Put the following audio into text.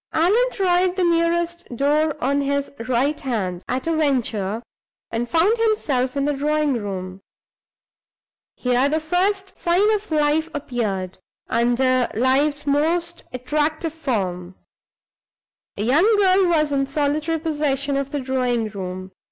Allan tried the nearest door on his right hand at a venture, and found himself in the drawing room. Here the first sign of life appeared, under life's most attractive form. A young girl was in solitary possession of the drawing room.